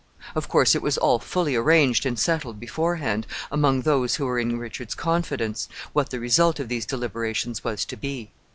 Of course, it was all fully arranged and settled beforehand, among those who were in Richard's confidence, what the result of these deliberations was to be.